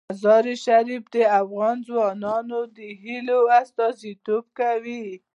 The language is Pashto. مزارشریف د افغان ځوانانو د هیلو استازیتوب کوي.